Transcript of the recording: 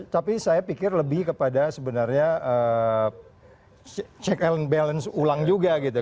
tapi saya pikir lebih kepada sebenarnya check and balance ulang juga gitu